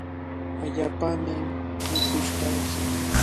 Allaapami mikush kanki.